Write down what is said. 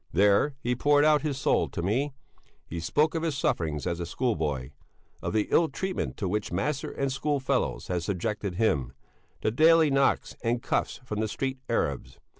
There he poured out all his soul to me; he spoke of his sufferings as a schoolboy; of the ill treatment to which master and school fellows had subjected him, the daily knocks and cuffs from the street arabs.